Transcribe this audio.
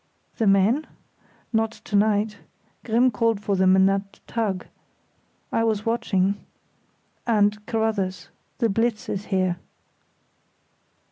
"The men?" "Not to night. Grimm called for them in that tug. I was watching. And, Carruthers, the Blitz is here."